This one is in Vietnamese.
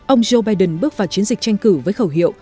ông joe biden bước vào chiến dịch tranh cử với khẩu hiệu